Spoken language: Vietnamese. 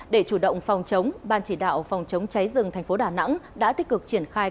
để chủ động phòng chống ban chỉ đạo phòng chống cháy rừng thành phố đà nẵng đã tích cực triển khai